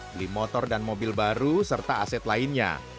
beli motor dan mobil baru serta aset lainnya